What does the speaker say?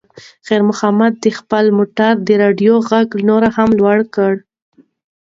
خیر محمد د خپل موټر د راډیو غږ لږ نور هم لوړ کړ.